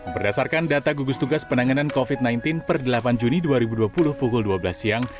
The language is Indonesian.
berdasarkan data gugus tugas penanganan covid sembilan belas per delapan juni dua ribu dua puluh pukul dua belas siang